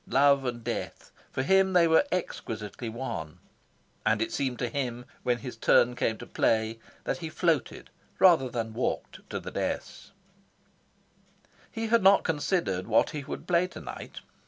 Love and Death for him they were exquisitely one. And it seemed to him, when his turn came to play, that he floated, rather than walked, to the dais. He had not considered what he would play tonight.